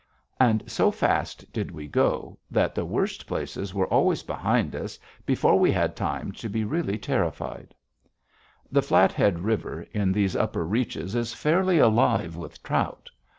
And so fast did we go that the worst places were always behind us before we had time to be really terrified. The Flathead River in these upper reaches is fairly alive with trout.